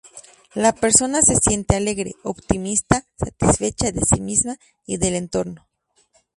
La persona se siente alegre, optimista, satisfecha de sí misma y del entorno.